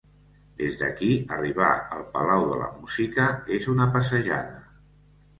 Des d'aquí, arribar al Palau de la Música és una passejada.